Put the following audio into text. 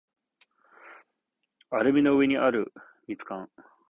アルミ缶の上にある蜜柑